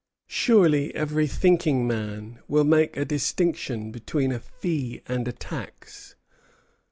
Surely every thinking man will make a distinction between a fee and a tax.